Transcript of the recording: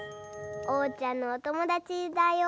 おうちゃんのおともだちだよ。